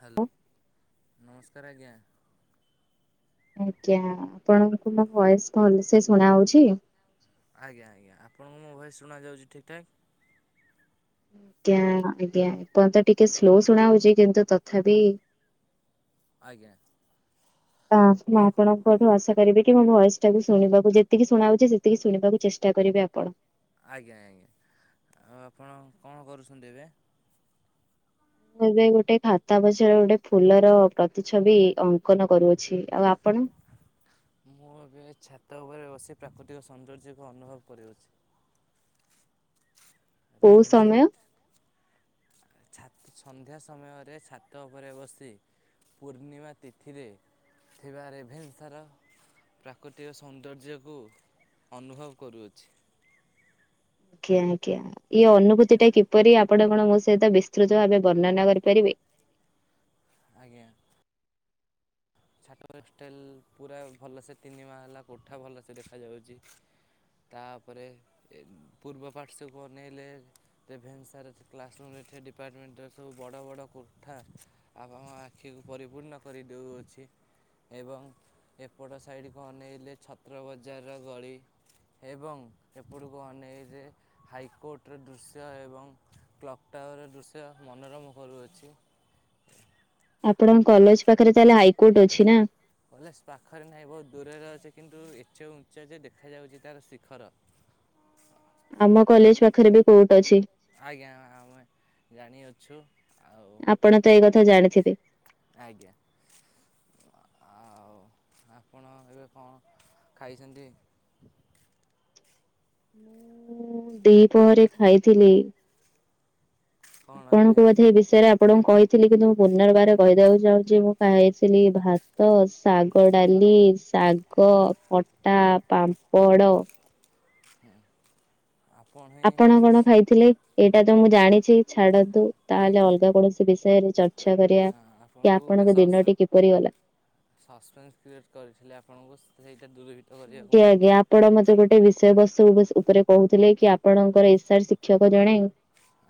Hello ନମସ୍କାର ଆଜ୍ଞା। ଆଜ୍ଞା ଆପଣଙ୍କୁ ମୋ ଭଏସ୍ ଭଲସେ ଶୁଣା ହଉଛି? ଆଜ୍ଞ ଆଜ୍ଞା ଆପଣଙ୍କୁ ମୋ ଭଏସ୍ ଶୁାଯାଉଛି ଠିକ୍ ଠାକ୍? ଆଜ୍ଞା ଆଜ୍ଞା ଏପଟ ତ ଟିକେ ସ୍ଲୋ ଶୁଣା ଯାଉଛି କିନ୍ତୁ ତଥାପି ଆଜ୍ଞା [unintelligible] ହଁ ମୋଠୁ ଆଶା କରିବେ କି ମୋ ଭଏସ୍ ଟାକୁ ଶୁଣିବାକୁ ଯେତିକି ଶୁଣାଯାଉଛି ସେତିକି ଶଣିବାକୁ ଚେଷ୍ଟା କରିବେ ଆପଣ। ଆଜ୍ଞା ଆଜ୍ଞା ଆଉ ଆପଣ କଣ କରୁଛନ୍ତି ଏବେ? ମୁଁ ଏବେ ଗୋଟେ ଖାତା ପଛରେ ଗୋଟେ ଫୁଲର ପ୍ରତିଛବି ଅ ଅଙ୍କନ କରୁଅଛି ଆଉ ଆପଣ? ମୁଁ ଏବେ ଛାତ ଉପରେ ବସି ପ୍ରାକୃତିକ ସୌନ୍ଦର୍ଯ୍ୟକୁ ଅନୁଭବ କରୁଅଛି। କୋଉ ରେଭେନ୍ସା ରେ ସମୟ? ଛାତ ସନ୍ଧ୍ୟା ସମୟରେ ଛାତ ଉପରେ ବସି। ପୂର୍ଣ୍ଣିମା ତିଥିରେ ପୁରା ରେଭେନ୍ସାର ପ୍ରାକୃତିକ ସୌନ୍ଦର୍ଯ୍ୟକୁ ଅନୁଭବ କରୁଅଛି। ଆଜ୍ଞା ଆଜ୍ଞା ଇଏ ଅନୁଭୂତି ଟା କିପରି ଆପଣ କଣ ମୋ ସହିତ ବିସ୍ତୃତ ଭାବେ ବର୍ଣ୍ଣନା କରିପାରିବେ? ଆଜ୍ଞା। ଛତର ହଷ୍ଟେଲ ପୁରା ଭଲସେ ତିନି ମହଲା କୋଠା ଭଲସେ ଦେଖାଯାଉଛି। ତାପରେ ପୂର୍ବ ପାର୍ଶ୍ୱ କୁ ଅନେଇଲେ ରେଭେନ୍ସାର କ୍ଲାସରୁୁମ୍ ରେ ଥିବା ଡିପାର୍ଟମେଣ୍ଟର ସବୁ ବଡ଼ ବଡ଼ କୋଠା ଆଉ ଆମ ଆଖିକୁ ପରିପୂର୍ଣ୍ଣ କରିଦଉଅଛି। ଏବଂ ଏପଟ ସାଇଡ଼ କୁ ଅନେଇଲେ ଛତ୍ର ବଜାରର ଗଳି। ଏବଂ ଏପଟକୁ ଅନେଇଲେ ହାଇକୋର୍ଟର ଦୃଶ୍ୟ ଏବଂ କ୍ଲକ୍ ଟାୱାରର ଦୃଶ୍ୟ ମନୋରମ କରୁଅଛି। ଆପଣଙ୍କ କଲେଜ୍ ପାଖରେ ତାହେଲେ ହାଇକୋର୍ଟ ଅଛି ନା। କଲେଜ୍ ପାଖରେ ନାହିଁ ବହୁତ ଦୂରରେ ଅଛି କିନ୍ତୁ ଏତେ ଉଚ୍ଚ ଯେ ଦେଖାଯାଉଛି ତାର ଶିଖର। ଆମ କଲେଜ୍ ପାଖରେ ବି କୋର୍ଟ ଅଛି। ଆଜ୍ଞା ଆମେ ଜାଣିଅଛୁ ଆଉ। ଆପଣ ତ ଏଇ କଥା ଜାଣିଥିବେ। ଆଜ୍ଞା ଆଉ ଆପଣ ଏବେ କଣ ଖାଇଛନ୍ତି? ମୁଁ ଦିପହରେ ଖାଇଥିଲି। କଣ ଆଜ୍ଞା ଆପଣଙ୍କୁ ବୋଧେ ଏ ବିଷୟରେ ଆପଣଙ୍କୁ କହିଥିଲି କିନ୍ତୁ ମୁ ପୁନର୍ବାର କହିବାକୁ ଚାହୁଁଛି ମୁଁ ଖାଇଥିଲି ଭାତ ଶାଗଡାଲି, ଶାଗ, ଖଟା ପାମ୍ପଡ଼ ହୁଁ ଆପଣ କଣ ଖାଇଥିଲେ, ଏଇଟା ତ ମୁଁ ଜାଣିଛି ଛାଡନ୍ତୁ ତାହେଲେ ଆଜ୍ଞା ଅଲଗା କୌଣସି ବିଷୟରେ ଚର୍ଚ୍ଚା କରିବା ହଁ କି ଆପଣଙ୍କୁ ଗୋଟେ ଆପଣଙ୍କ ସସ୍ପେ ଦିନଟି କିପରି ଗଲା। [unintelligible] କ୍ରିଏଟ୍ କରିଥିଲେ ଆପଣଙ୍କୁ ସେଇଟା ଦୂର [unintelligible] ଆପଣ ମତେ ଗୋଟେ ବିଷୟ ବସ୍ତୁ ଉପରେ କହୁଥିଲେ କି ଆପଣଙ୍କର ଏସାର ଶିକ୍ଷକ ଜଣେ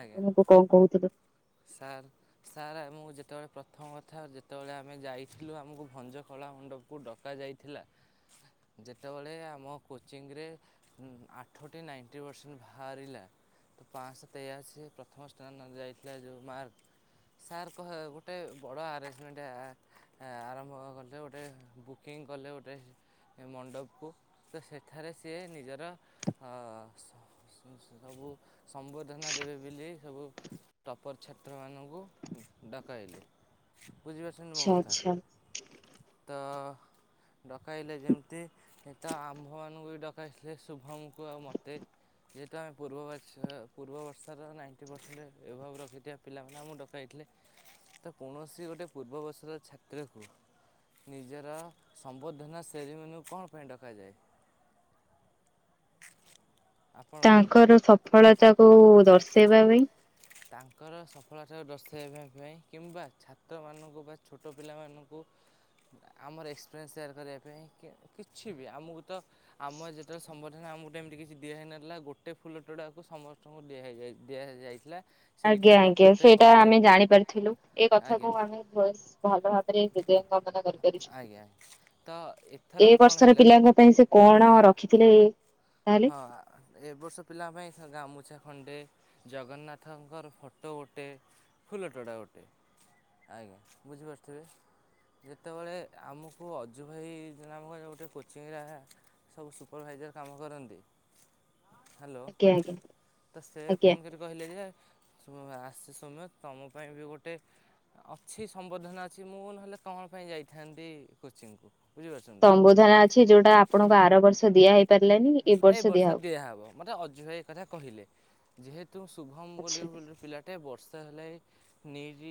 ଆଜ୍ଞା ଆପଣଙ୍କୁ କଣ କହୁଥିଲେ। ସାର୍ ସାର୍ ଆମକୁ ଯେତେବେଳେ ପ୍ରଥମ କଥା ଯେତେବେଳେ ଆମେ ଯାଇଥିଲୁ ଆମକୁ ଭଞ୍ଜକଳା ମଣ୍ଡପକୁ ଡକାଯାଇ ଥିଲା ଯେତେବେଳେ ଆମ କୋଚିଂରେ ହୁଁ ଆଠଟି ନାଇଣ୍ଟି ପରସେଣ୍ଟ୍ ବାହାରିଲା। ତ ପାଁଶହ ତେୟାଅଶୀ ପ୍ରଥମ ସ୍ତାନ ଯାଇଥିଲା ଯେଉ ମାର୍କ ସାର୍ କହ ଗୋଟେ ବଡ଼ ଆରେଞ୍ଜମେଣ୍ଟ ଆକ ଆରମ୍ଭ କଲେ ଗୋଟେ ବୁକିଂ କଲେ ଗୋଟେ ମଣ୍ଡପକୁ ତ ସେଠାରେ ସିଏ ନିଜର ଅ ସବୁ ସମ୍ବର୍ଦ୍ଧନା ଦେବେ ବୋଲି ସବୁ ଟପ୍ପର ଛାତ୍ରମାନଙ୍କୁ ଡକାଇଲେ ବୁଝିପାରୁଛନ୍ତି ମୋ ଆଚ୍ଛା କଥା ଆଚ୍ଛା। ତ ଡକାଇଲେ ଯେମିତି ତ ଆମ୍ଭମାନଙ୍କୁ ବି ଡକାଇଥିଲେ ଶୁଭମ୍ ଙ୍କୁ ଆଉ ମୋତେ ଯେହେତୁ ଆମେ ପୂର୍ବବତ୍ସ ପୂର୍ବବର୍ଷର ନାଇଣ୍ଟି ପରସେଣ୍ଟ ଏଭବ ରଖିଥିବା ପିଲାମାନେ ଆମକୁ ଡକାଇଥିଲେ। ତ କୌଣସି ଗୋଟେ ପୂର୍ବବର୍ଷର ଛାତ୍ରକୁ ନିଜର ସମ୍ବର୍ଦ୍ଧନା ଶେରୀମନୀକୁ କଣ ପାଇଁ ଡକାଯାଏ? ଆପଣ କୁହନ୍ତୁ? ତାଙ୍କର ସଫଳତାକୁୁ ଦର୍ଶେଇବା ବି ତାଙ୍କର ସଫଳତାର ଦର୍ଶାଇବା ପାଇଁ କିମ୍ବା ଛାତ୍ରମାନଙ୍କୁ ବା ଛୋଟ ପିଲାମାନଙ୍କୁ ଆମର ଏକ୍ସପିରିଏନ୍ସ ସେୟାର କରିବା ପାଇଁ କିଛି ବି ଆମକୁ ତ ଆମ ଯେତେବେଳେ ସମ୍ବର୍ଦ୍ଧନା ଆମକୁ ତ ଏମତି କିଛି ଦିଆହୋଇ ନଥିଲା ଗୋଟେ ଫୁଲ ତୋଡ଼ାକୁ ସମ ସ୍ତଙ୍କୁ ଦିଆହୋଇ ଦିଆହୋଇଯାଇଥିଲା। ଆଜ୍ଞା ଆଜ୍ଞା ସେଇଟା ଆମେ ଜାଣିପାରିଥିଲୁ ଏଇ ଆଜ୍ଞା କଥାକୁ ଆମେ ବେଶ୍ ଭଲ ଭାବେ ପରେ ହୃଦୟ କାମନା କରିପାରିଛୁ ଆଜ୍ଞା ତ ଏଥରକ ଏ କ'ଣ ବର୍ଷର ହେଲା ପିଲାଙ୍କ ପାଇଁ ସେ କଣ ରଖିଥିଲେ? ତାହେଲେ ଆ ଏବର୍ଷ ପିଲାଙ୍କ ପାଇଁ ଗାମୁଛା ଖଣ୍ଡେ ଜଗନ୍ନାଥଙ୍କର ଫଟୋ ଗୋଟେ ଫୁଲଟୋଡ଼ା ଗୋଟେ ଆଜ୍ଞା ବୁଝିପାରୁଥିବେ। ଯେତେବେଳେ ଆମକୁ ଅଜୁ ଭାଇ ନାମକ ଗୋଟେ କୋଚିଂରେ ସବୁ ସୁପରଭାଇଜର କାମ କରନ୍ତି। ହ୍ୟାଲୋ। ଆଜ୍ଞା ଆଜ୍ଞା ତ ସେ ଆଜ୍ଞା ଫୋନ କରି କହିଲେ ଯେ ସୌମ୍ୟ ଆସିଚି ସୌମ୍ୟ ତମ ପାଇଁ ବି ଗୋଟେ ଅଛି। ସମ୍ବର୍ଦ୍ଧନା ଅଛି। ମୁଁ ନ ହେଲେ କଣ ପାଇଁ ଯାଇଥାନ୍ତି କୋଚିଂକୁ? ବୁଝିପାରୁଛନ୍ତି ତ ସମ୍ବର୍ଦ୍ଧନା ଅଛି। ଯୋଉଟା ଆପଣଙ୍କୁ ଆର ବର୍ଷ ଦିଆହେଇ ନାଇଁ, ଏଇ ବର୍ଷ ଦିଆହବ। ମୋତେ ଅଜୁଭାଇ ଏକଥା କହିଲେ। ଯେହେତୁ ଶୁଭମ୍ ବୋଲି ଆଚ୍ଛା ଗୋଟେ ପିଲାଟେ ବର୍ଷ ହେଲାଇଁ ନିଟ୍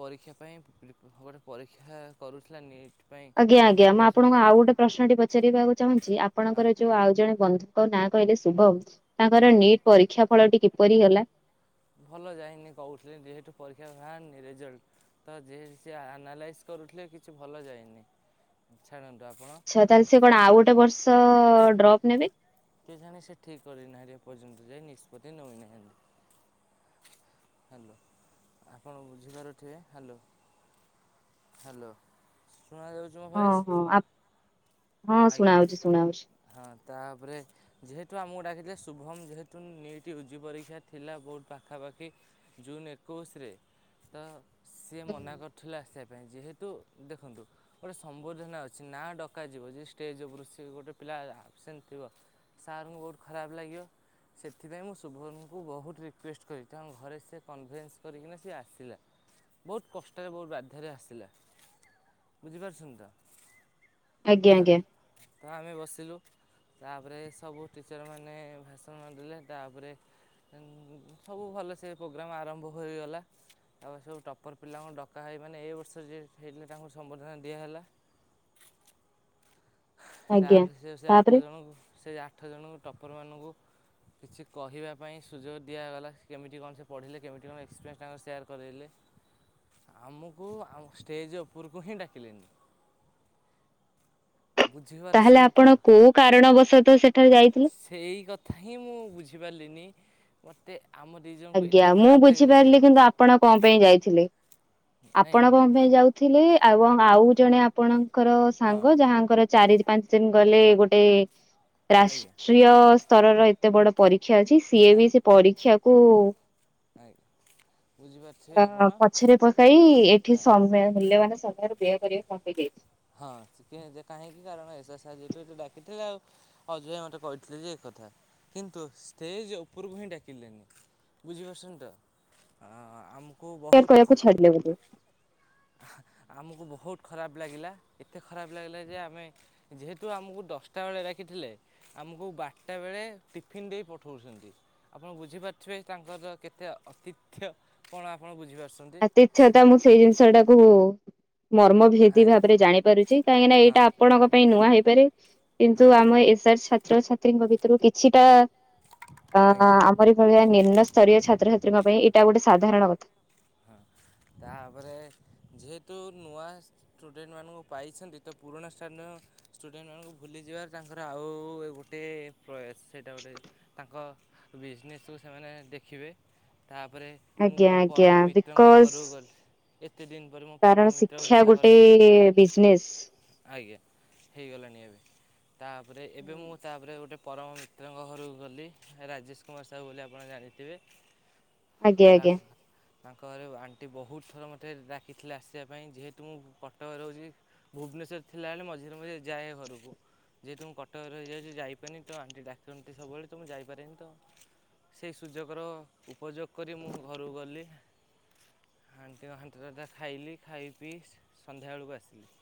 ପରୀକ୍ଷା ପାଇଁ ପି-ପି ଭଲରେ ପରୀକ୍ଷା କରୁଥିଲା ନିଟ୍। ପାଇଁ ଆଜ୍ଞା ଆଜ୍ଞା। ମୁଁ ପ୍ରିପାରେସନ୍ ଆପଣଙ୍କୁ ଆଉ ଗୋଟେ ପ୍ରଶ୍ନଟି ପଚାରିବାକୁ ଚାହୁଁଛି ହଁ ଆପଣଙ୍କର ଯୋଉ ଆଉ ଜଣେ ବନ୍ଧୁ ତାଙ୍କ ନାଁ କହିଲେ ଶୁଭମ୍। ଆଜ୍ଞା ତାଙ୍କର ନିଟ୍ ପରୀକ୍ଷା ଫଳଟି କିପରି ହେଲା? ଭଲ ଯାଇନି କହୁଥିଲି। ଯେହେତୁ ପରୀକ୍ଷା ଭାଆରିନି ରେଜଲ୍ଟ। ତ ଯିଏ ସିଏ ଆନାଲାଇସ୍ କରୁଥିଲେ କିଛି ଭଲ ଯାଇନି। ଛାଡ଼ନ୍ତୁ। ଆପଣ ଆଚ୍ଛା। ତା ହେଲେ ସେ କଣ ଆଉ ଗୋଟେ ବର୍ଷ ଡ୍ରପ୍ ନେବେ? କିଏ ଜାଣେ? ସେ ଠିକ୍ କରି ନାହିଁରେ ଏପର୍ଯ୍ୟନ୍ତରେ ନିଷ୍ପତ୍ତି ନଉନାହିଁ। ହ୍ୟାଲୋ। ଆପଣ ବୁଝିପାରୁଥିବେ। ହ୍ୟାଲୋ। ହ୍ୟାଲୋ। ଶୁଣାଯାଉଛି। ମୋ ହଁ ଭଏସ୍ ହଁ ଆ ହଁ, ଆଜ୍ଞା ଶୁଣାଉଛି ଶୁଣାଉଛି। ହଁ, ତା ପରେ ଯେହେତୁ ଆମକୁ ଡାକିଥି ଶୁଭମ୍ ଯେହେତୁ ନିଇଟି ୟୁଜି ପରୀକ୍ଷା ଥିଲା ବହୁତ ପାଖାପାଖି। ଜୁନ୍ ଏକୋଇଶିରେ। ସିଏ ମନା କରିଥିଲା ଆସିବା ପାଇଁ। ଯେହେତୁ ଦେଖନ୍ତୁ ଗୋଟେ ସମ୍ବର୍ଦ୍ଧନା ଅଛି ନା ଡକା ଯିବ ଯଦି ଷ୍ଟେଜ୍ ଉପରୁ ସେ ଗୋଟେ ପିଲା ଆବସେଣ୍ଟ ଥିବ ସାରଙ୍କୁ ବହୁତ ଖରାପ ଲାଗିବ। ସେଥିପାଇଁ ମୁଁ ଶୁଭମଙ୍କୁ ବହୁତ ରିକ୍ୱେଷ୍ଟ କଲି ତାଙ୍କ ଘରେ ସେ କନଭେନ୍ସ କରିକିନା ସିଏ ଆସିଲା। ବହୁତ କଷ୍ଟରେ ବହୁତ ବାଧ୍ୟାରେ ଆସିଲା, ବୁଝିପାରୁଛନ୍ତି ତ? ଆଜ୍ଞା ଆଜ୍ଞା ହ୍ୟାଲୋ। ତ ଆମେ ବସିଲୁ। ତାପରେ ସବୁ ଟିଚର୍ ମାନେ ଭାଷଣ ଦେଲେ ତାପରେ ସବୁ ଭଲସେ ପ୍ରୋଗ୍ରାମ୍ ଆରମ୍ଭ ହୋଇଗଲା। ତା ପରେ ସବୁ ଟପର୍ ପିଲାଙ୍କୁ ଡକା ହୋଇ ମାନେ ଏ ବର୍ଷ ଯିଏ ଫେରିବେ ତାଙ୍କୁ ସମ୍ବର୍ଦ୍ଧନା ଦିଆ ହେଲା। ତା ଆଜ୍ଞା ପରେ ସେ ସେ ତାପରେ ଆଠ ଜଣଙ୍କୁ, ସେ ଆଠ ଜଣଙ୍କୁ ଟପର ମାନଙ୍କୁ କିଛି କହିବା ପାଇଁ ସୁଯୋଗ ଦିଆଗଲା। କେମିତି କଣ ସେ ପଢ଼ିଲେ କେମିତି କଣ ଏକ୍ସପେଏନ୍ସ ତାଙ୍କର ସେୟାର୍ କରିଲେ? ହ ଆମକୁ ଆଉ ଷ୍ଟେଜ୍ ଉପରକୁ ହିଁ ଡାକିଲେନି। ତା ହେଲେ ବୁଝିପାରୁଛନ୍ତି ତ? ଆପଣ କୋଉ କାରଣ ବଶତଃ ସେଠି ଯାଇଥିଲେ? ସେଇ କଥା ହିଁ ମୁଁ ବୁଝିପାରିଲିନି। ମୋତେ ଆମ ଦି ଜଣକୁ ଆଜ୍ଞା ଏତେ ମୁଁ ଖରାପ ଲାଗିଲେ ସେ ବୁଝିପାରିଲି କିନ୍ତୁ ଆପଣ କଣ ପେଇଁ ଯାଇଥିଲେ? ନାଇଁ ଆପଣ କଣ ପେଇଁ ଯାଉଥିଲେ ଏବଂ ଆଉ ଜଣେ ଆପଣଙ୍କର ହଁ ସାଙ୍ଗ, ଯାହାଙ୍କର ଚାରି ପାଞ୍ଚ ଦିନ ଗଲେ ଗୋଟେ ଆଜ୍ଞା। ରାଷ୍ଟ୍ରୀୟ ସ୍ତରର ଏତେ ବଡ ପରୀକ୍ଷା ଅଛି ସିଏ ବି ଆଜ୍ଞା ସେ ପରୀକ୍ଷାକୁ ବୁଝିପାରୁଥିବେ ଆପଣ ଅ ପଛରେ ପକେଇ ଏଠି ହଁ ସମୟ ମୂଲ୍ୟବାନ ସମୟର ତିଆରି କରିବା ବି କଂପ୍ଲିଟି ହେଇଚି। ହଁ, ଚିକେନ ଦୋକାନ ହେଇଚି [unintelligible] ଡାକୁଥିଲେ ଆଉ। ଅଜୟ ମୋତେ କହିଥିଲେ ଯେ ଏ କଥା କିନ୍ତୁ ଷ୍ଟେଜ୍ ଉପରକୁ ହିଁ ଡାକିଲେନି। ବୁଝିପାରୁଛନି ତ? ପୁଅ ବହୁତ କୋଳକୁ ଛାଡି ଦିଅ ମୋତେ। ଆମକୁ ବହୁତ ଖରାପ ଲାଗିଲା, ଏତେ ଖରାପ ଲାଗିଲା ଯେ ଆମେ ଯେହେତୁ ଆମକୁ ଦଶ୍ଟା ବେଳେ ଡାକିଥିଲେ। ଆମକୁ ବାର୍ଟା ବେଳେ ଟିଫିନ୍ ଦେଇ ପଠଉଛନ୍ତି। ଆପଣ ବୁଝିପାରୁଥିବେ ତାଙ୍କର କେତେ ଅତିଥ୍ୟ କଣ ଆପଣ ବୁଝିପାରୁଛନ୍ତି? ଦ୍ୱିତୀୟଥା ମୁଁ ସେଇ ଜିନିଷଟାକୁ ମର୍ମ ହେଦି ଆଜ୍ଞା ଭାବରେ ଜାଣିପାରୁଛି କାହିଁକିନା ହଁ ଏଇଟା ଆପଣଙ୍କ ପାଇଁ ନୂଆ ହେଇପାରେ ହଁ କିନ୍ତୁ ଆମ ଏସାର୍ ଛାତ୍ରଛାତ୍ରୀଙ୍କ ଭିତରୁ କିଛିଟା ଅ ଆଜ୍ଞା ଆମର ଭଳିଆ ନିମ୍ନ ସ୍ତରୀୟ ଛାତ୍ରଛାତ୍ରୀଙ୍କ ପାଇଁ ଏଇଟା ଗୋଟେ ସାଧାରଣ କଥା। ହଁ, ତାପରେ ଯେହେତୁ ନୂଆ ଷ୍ଟୁଡେଣ୍ଟ ମାନଙ୍କୁ ପାଇଛନ୍ତି ତ ପୁରୁଣା [unintelligible] ଷ୍ଟୁଡେଣ୍ଟମାନଙ୍କୁ ଭୁଲିଯିବାର ତାଙ୍କର ଆଉ ଏ ଗୋ ଟେ ପ୍ରୟାସ ସେଇଟା ଗୋଟେ, ତାଙ୍କ ବିଜିନେସ୍ କୁ ସେମାନେ ଦେଖିବେ। ତାପରେ ଆଜ୍ଞା, ଆଜ୍ଞା ଦିକ୍। ତାଙ୍କ ଘରକୁ ଗଲି, ଏତେ ଦିନ ପରେ ମୋ କାରଣ ପରମ ମିତ୍ରକୁ ଶିକ୍ଷା ଦେଖା ଗୋଟେ କରେଇ ନଥିଲି। ବିଜନେସ୍। ଆଜ୍ଞା ହେଇଗଲାଣି ଏବେ, ତାପରେ ଏବେ ମୁଁ ତାପରେ ଗୋଟେ ପରମ ତ୍ରଙ୍କ ଘରକୁ ଗଲି ରାଜେଶ୍ କୁମାର ସାହୁ ବୋଲି ଆପଣ ଜାଣିଥିବେ। ଆଜ୍ଞା, ତା ଆଜ୍ଞା। ତାଙ୍କ ଘରେ ଆଣ୍ଟି ବହୁତ ଥର ମୋତେ ଡାକିଥିଲେ ଆସିବା ପାଇଁ ଯେହେତୁ ମୁଁ କଟକରେ ରହୁଛି। ଭୁବନେଶ୍ଵର ଥିଲା ବେଳେ ମଝିରେ ମଝିରେ ଯାଏ ଘରକୁ। ଯେହେତୁ ମୁ କଟକରେ ରହିଯାଉଛି ଯାଇପାରୁନି ତ ଆଣ୍ଟି ଡାକନ୍ତି ସବୁବେଳେ ତ ମୁଁ ଯାଇପାରେନି ତ ସେଇ ସୁଯୋଗର ଉପଯୋଗ କରି ମୁଁ ଘରୁକୁ ଗଲି। ଆଣ୍ଟିଙ୍କ ହାଣ୍ଟି ରନ୍ଧା ଖାଇଲି ଖାଇ ପିଇ ସନ୍ଧ୍ୟାବେଳକୁ ଆସିଲି।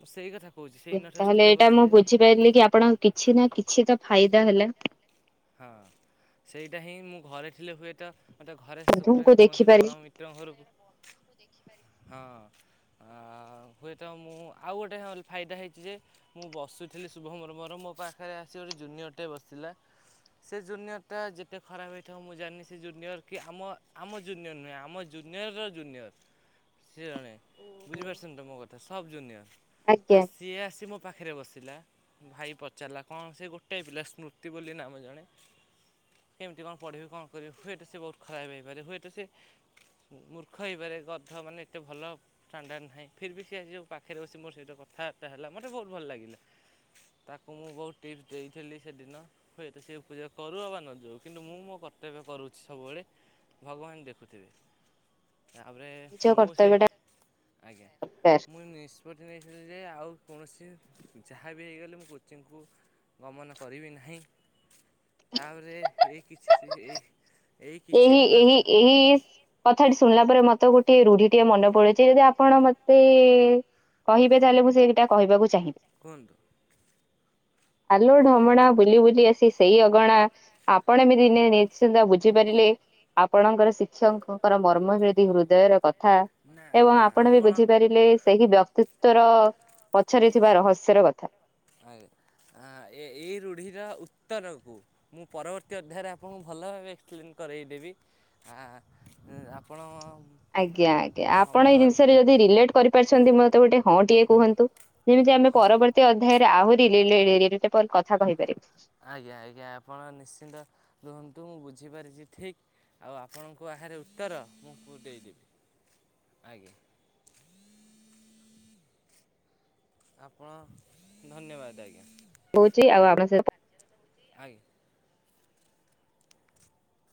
ମୁଁ ସେଇ କଥା କହୁଛି। ସେଇ ଏ ଦିନଠାରୁ ତାହେଲେ ସ୍ଥିର ଏଇଟା ମୁଁ କରିଥିଲି ବୁଝିପାରିଲି କି ଆପଣଙ୍କ କିଛି ନା କିଛି ତ ଫାଇଦା ହେଲା। ହଁ ସେଇଟା ହିଁ ମୁଁ ଘରେ ଥିଲେ ହୁଏତ ମୋତେ ଘରେ ସୋ ଗୋଟେ ବନ୍ଧୁଙ୍କୁ କୌଣସି ଦେଖିପାରିଲି ପରମ ମି ମିତ୍ରଙ୍କ ଘରକୁ, ହଁ। ଆଉ ହୁଏତ ମୁଁ ଆଉ ଗୋଟେ ହଲ୍ ଫାଇଦା ହେଇଛି ଯେ ମୁଁ ବସୁଥିଲି ଶୁଭମର ମୋର ମୋ ପାଖରେ ଆସି ଗୋଟେ ଜୁନିୟରଟେ ବସିିଲା। ସେ ଜୁନିୟରଟା ଯେତେ ଖରାପ ହେଇଥିବ ମୁଁ ଜାଣିନି ସେ ଜୁନିୟର କି ଆମ ଆମ ଜୁନିୟର ନୁହେଁ ଆମ ଜୁନିୟର୍ ର ଜୁନିୟର ସେ ଜଣେ ବୁଝିପାରଛନ୍ତି ତ ମୋ କଥା ସବ୍ ଜୁନିୟର। ଆଜ୍ଞା ତସ୍ ଯିଏ ଆସି ମୋ ପାଖରେ ବସିଲା ଭାଇ ପଚାରିଲା କଣ ସେ ଗୋଟେଏ ପିଲା ସ୍ମୃତି ବୋଲି ନାମ ଜଣେ, କେମିତି କଣ ପଢ଼ିବି କଣ କରିବି ହୁଏତ ସେ ବହୁତ ଖରାପ ହେଇପାରେ ହୁଏତ ସେ ମୂର୍ଖ ହେଇପାରେ ଗଧ ମାନେ ଏତେ ଭଲ ଷ୍ଟାଣ୍ଡାଡ଼ ନାହିଁ ଫିର୍ ବିି ସିଏ ଆଜି ଯୋଉ ପାଖରେ ବସି ମୋର ସହିତ କଥାବାର୍ତ୍ତା ହେଲା ମତେ ବହୁତ ଭଲ ଲାଗିଲା। ତାକୁ ମୁଁ ବହୁତ ଟିପ୍ସ ଦେଇଥିଲି ସେଦିନ। ତ ସିଏ ପୂଜାକରୁ ଅବା ନଯାଉ କିନ୍ତୁ ମୁଁ ମୋ କର୍ତ୍ତବ୍ୟ କରୁଛି ସବୁବେଳେ ଭଗବାନ ଦେଖୁଥିବେ। ତାପରେ ନିଜ ମୁଁ ସେଇ କର୍ତ୍ତବ୍ୟ ଟା ଆଜ୍ଞା, ଦରକାର। ମୋର ନିଷ୍ ନିଷ୍ପତି ନେଇଥିଲି ଯେ ଆଉ କୌଣସି ଯାହାବି ହେଇଗଲେ ମୁଁ କୋଚିଂକୁ ଗମନ କରିବି ନାହିଁ। ତାପରେ ଏଇ କିଛି ସି ଏଇ ଏଇ କିଛି ଏହି, ଦିନ ଏହି, ଏହି କଥାଟି ଶୁଣିଲା ପରେ ମତେ ଗୋଟେ ରୁଢ଼ିଟିଏ ମନେପଡ଼େ। ସେ ଯଦି ଆପଣ ମତେ କହିବେ ତାହେଲେ ମୁଁ ସେଇଟା କହିବାକୁ ଚାହିଁବି। କୁହନ୍ତୁ ଆଲୋ ଢ଼ମଣା ବୁଲି ବୁଲି ଆସି ସେଇ ଅଗଣା, ଆପଣା ବି ଦିନେ ନିିଶ୍ଚିନ୍ତ ବୁ ଝି ପାରିଲେ ଆପଣଙ୍କର ଶିକ୍ଷକଙ୍କର ମର୍ମ ବ୍ରେଦି ହୃଦୟର କଥା। ନା ଏବଂ ନା ଆପଣବି ଆପଣ ବୁଝିପାରିଲେ ସେହି ବ୍ୟକ୍ତି ତୋର ପଛରେ ଥିବା ରହସ୍ୟର କଥା। ଆଜ୍ଞା ଆଁ ଏ ଏଇ ରୂଢ଼ିର ଉତ୍ତରକୁ ମୁଁ ପରବର୍ତ୍ତୀ ଅଧ୍ୟାୟରେ ଆପଣଙ୍କୁ ଭଲ ଭାବେ ଏକ୍ସପ୍ଲେନ କରେଇଦେବି ଆଁ ଆପଣ ଆଜ୍ଞା ଆଜ୍ଞା ସମୟ ଆପଣ ଏଇ ଜିନିଷରେ ଯଦି ରିଲେଟ୍ କରିପାରିଛନ୍ତି ମୋତେ ଗୋଟେ ହଁଟିଏ କୁହନ୍ତୁ? ଯେମିତି ଆମେ ପରବର୍ତ୍ତୀ ଅଧ୍ୟାୟରେ ଆହୁରି [unintelligible] କଥା କହିପାରିବ। ଆଜ୍ଞା ଆଜ୍ଞା ଆପଣ ନିଶ୍ଚିନ୍ତ ରୁହନ୍ତୁ ମୁଁ ବୁଝିପାରିଚି ଠିକ୍ ଆଉ ଆପଣଙ୍କୁ ବାହାରେ ଉତ୍ତର ମୁଁ ଦେଇଦେବି ଆଜ୍ଞା। ଆପଣ ଧନ୍ୟବାଦ୍ ଆଜ୍ଞା। କହୁଚି ଆଉ ଆମ ସହିତ ଆଜ୍ଞା। [inaudible]